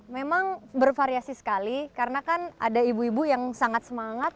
memang bervariasi sekali karena kan ada ibu ibu yang sangat semangat